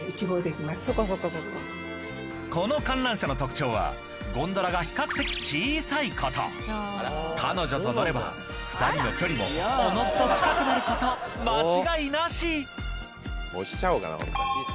この観覧車の特徴は比較的彼女と乗れば２人の距離もおのずと近くなること間違いなし！